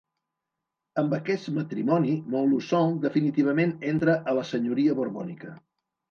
Amb aquest matrimoni, Montluçon definitivament entra a la senyoria borbònica.